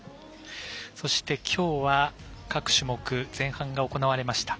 そして、今日は各種目前半が行われました。